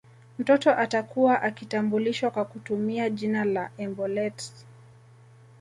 Mtoto atakuwa akitambulishwa kwa kutumia jina la embolet